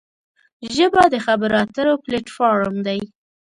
ژبه د خبرو اترو پلیټ فارم دی